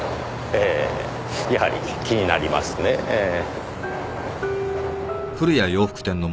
ええやはり気になりますねえ。